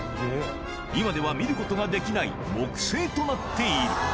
今では見ることができない木製となっている。